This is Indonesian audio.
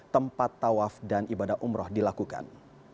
tempat tawaf dan ibadah umroh dilakukan